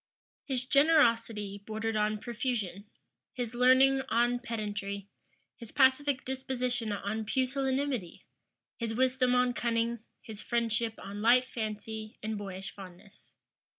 His generosity bordered on profusion, his learning on pedantry, his pacific disposition on pusillanimity, his wisdom on cunning, his friendship on light fancy and boyish fondness.